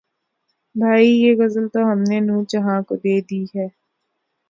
بھئی یہ غزل تو ہم نے نور جہاں کو دے دی ہے